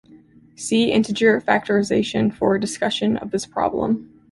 "See integer factorization for a discussion of this problem".